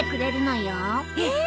えっ！